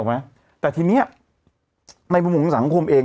อะไรอย่างเงี่ย